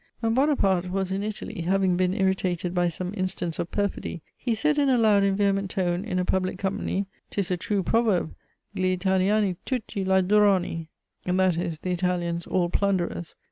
When Buonaparte was in Italy, having been irritated by some instance of perfidy, he said in a loud and vehement tone, in a public company "'tis a true proverb, gli Italiani tutti ladroni" (that is, the Italians all plunderers.)